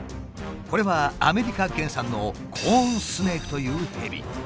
これはアメリカ原産のコーンスネークというヘビ。